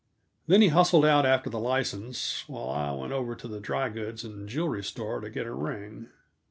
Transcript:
Then he hustled out after the license, while I went over to the dry goods and jewelry store to get a ring.